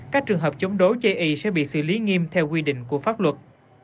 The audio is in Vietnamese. các trường hợp chống đối chê y sẽ bị xử lý nghiêm theo quy định của pháp luật